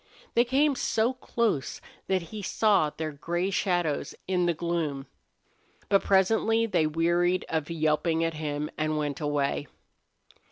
They came so close that he saw their gray shadows in the gloom. But presently they wearied of yelping at him and went away.